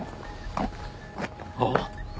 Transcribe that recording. あっ。